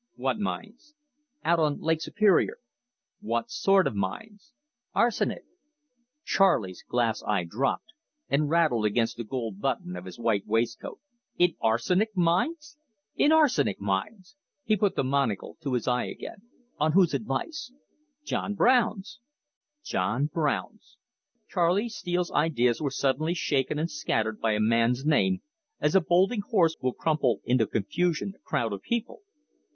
"What mines?" "Out on Lake Superior." "What sort of mines?" "Arsenic." Charley's eye glass dropped, and rattled against the gold button of his white waistcoat. "In arsenic mines!" He put the monocle to his eye again. "On whose advice?" "John Brown's." "John Brown's!" Charley Steele's ideas were suddenly shaken and scattered by a man's name, as a bolting horse will crumple into confusion a crowd of people.